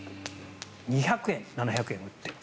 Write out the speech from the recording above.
２００円、７００円で売っても。